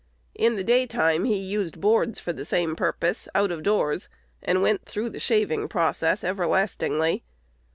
In the daytime he used boards for the same purpose, out of doors, and went through the shaving process everlastingly.